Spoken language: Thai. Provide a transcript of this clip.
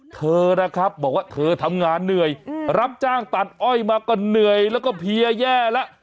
เธอนะครับบอกว่าเธอทำงานเหนื่อยรับจ้างตัดอ้อยมาก็เหนื่อยแล้วก็เพียแย่แล้ว